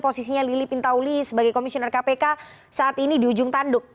posisinya lili pintauli sebagai komisioner kpk saat ini di ujung tanduk